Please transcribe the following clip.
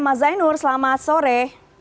mas zainur selamat sore